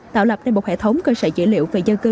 tạo lập nên một hệ thống cơ sở dữ liệu về dân cư